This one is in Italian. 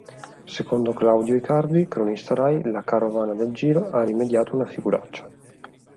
Secondo Claudio Icardi, cronista Rai, la carovana del Giro "ha rimediato una figuraccia".